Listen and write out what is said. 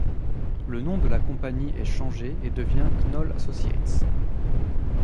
Le nom de la compagnie est changé et devient Knoll associates.